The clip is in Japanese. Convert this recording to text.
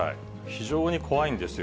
非常に怖いんですよ。